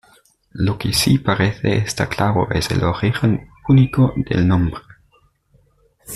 Lo que sí parece estar claro es el origen púnico del nombre.